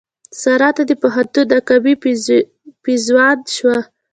سارا ته د پوهنتون ناکامي پېزوان شو.